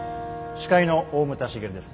司会の大牟田茂です。